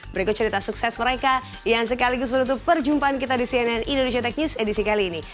berikut cerita sukses mereka yang sekaligus menutup perjumpaan kita di cnn indonesia tech news edisi kali ini